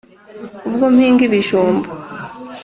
ubwo mpinga ibijumba,